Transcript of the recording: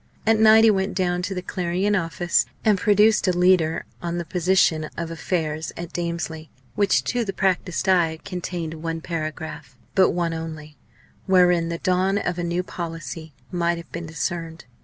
At night he went down to the Clarion office, and produced a leader on the position of affairs at Damesley which, to the practised eye, contained one paragraph but one only wherein the dawn of a new policy might have been discerned.